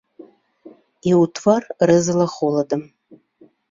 І ў твар рэзала холадам.